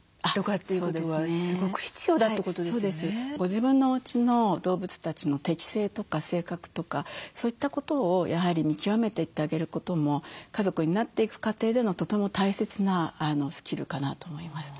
自分のおうちの動物たちの適性とか性格とかそういったことをやはり見極めていってあげることも家族になっていく過程でのとても大切なスキルかなと思います。